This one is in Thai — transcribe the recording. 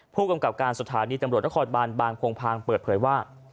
ผู้กำกับการสถานีตำรวจนครบานบางโพงพางเปิดเผยว่า